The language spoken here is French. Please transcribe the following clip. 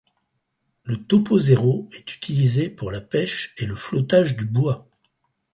Le Topozero est utilisé pour la pêche et le flottage du bois.